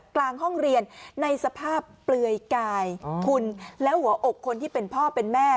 กลางห้องเรียนในสภาพเปลือยกายคุณแล้วหัวอกคนที่เป็นพ่อเป็นแม่